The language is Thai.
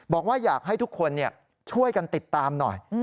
บอกว่าอยากให้ทุกคนช่วยกันติดตามหน่อย